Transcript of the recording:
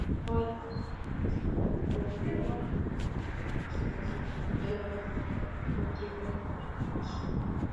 পরে অনলাইনে সংবাদ পড়ে লক্ষ্মীপুরের অনেকেই আশেপাশের এলাকা থেকে পত্রিকা কিনে নিয়ে আসেন।